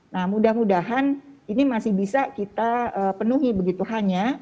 nah mudah mudahan ini masih bisa kita penuhi begitu hanya